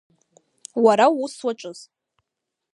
Уара уус уаҿыз.